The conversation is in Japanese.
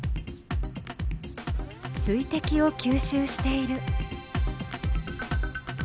水滴を吸収している。